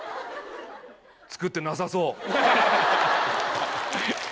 作ってなさそう。